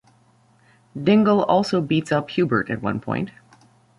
Dingle also beats up Hubert at one point.